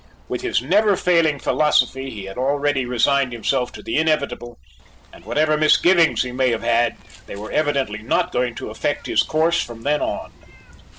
With his never failing philosophy he had already resigned himself to the inevitable and whatever misgivings he may have had, they were evidently not going to affect his course from then on.